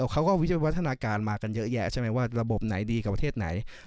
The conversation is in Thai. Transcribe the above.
เขาก็วิจัยวัฒนาการมากันเยอะแยะใช่ไหมว่าระบบไหนดีกับประเทศไหน